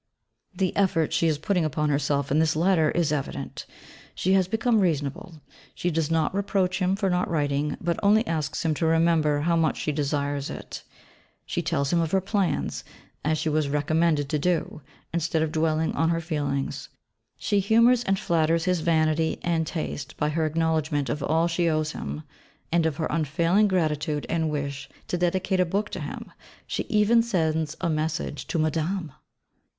The effort she is putting upon herself in this Letter is evident. She has become reasonable; she does not reproach him for not writing, but only asks him to remember how much she desires it. She tells him of her plans, as she was recommended to do, instead of dwelling on her feelings. She humours and flatters his vanity and taste by her acknowledgment of all she owes him; and of her unfailing gratitude and wish to dedicate a book to him she even sends a message to Madame!